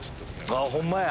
ホンマや。